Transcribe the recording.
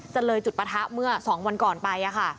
เลยจุดปะทะเมื่อ๒วันก่อนไป